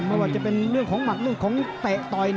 ไม่ว่าจะเป็นเรื่องของหมัดเรื่องของเตะต่อย